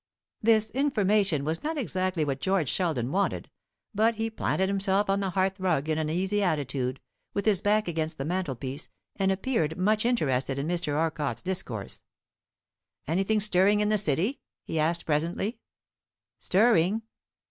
This information was not exactly what George Sheldon wanted, but he planted himself on the hearthrug in an easy attitude, with his back against the mantelpiece, and appeared much interested in Mr. Orcott's discourse. "Anything stirring in the City?" he asked presently. "Stirring?